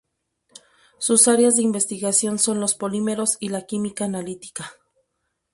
Sus áreas de investigación son los Polímeros y la Química Analítica.